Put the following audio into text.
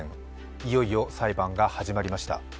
いよいよ裁判が始まりました。